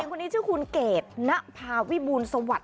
คนนี้ชื่อคุณเกดณภาวิบูลสวัสดิ